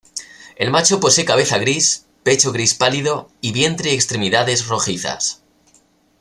El macho posee cabeza gris, pecho gris pálido y vientre y extremidades rojizas.